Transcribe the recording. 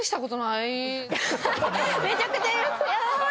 めちゃくちゃいや！